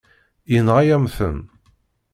Yenɣa-yam-ten.